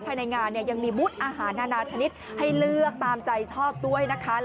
ภายในงานยังมีบุตรอาหารอาณาชนิดให้เลือกตามใจชอบกันค่ะ